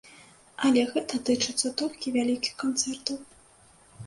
Але гэта тычыцца толькі вялікіх канцэртаў.